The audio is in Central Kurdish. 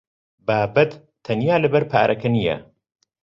بابەت تەنیا لەبەر پارەکە نییە.